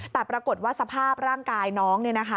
แต่ปรากฏว่าสภาพร่างกายน้อง